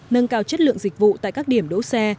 nâng cao chất lượng dịch vụ tại các điểm đỗ xe